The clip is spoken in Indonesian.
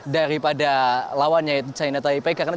daripada lawannya china taipei